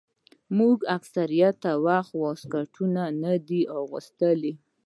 موږ اکثره وخت واسکټونه دوى ته استول.